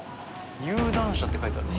「有段者」って書いてある。